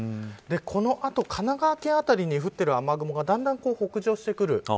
この後、神奈川県辺りに降っている雨雲がだんだん北上してくる。